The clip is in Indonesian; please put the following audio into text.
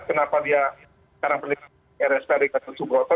kenapa dia sekarang peningkatan rskd kasus subroto